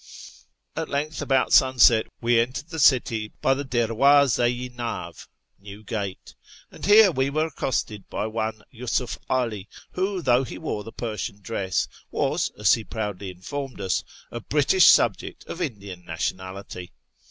At length, about sunset, we entered the city by the Deinvdz6 i Nmu (New Gate), and here we were accosted by one Yiisuf 'All, who, though he wore the Persian dress, was, as he proudly informed us, a British subject of Indian nationality.